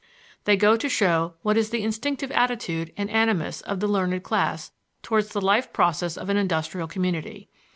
They go to show what is the instinctive attitude and animus of the learned class towards the life process of an industrial community.